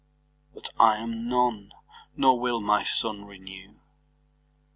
But I am None; nor will my Sunne renew.